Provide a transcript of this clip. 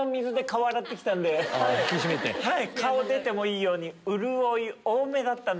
顔出てもいいように。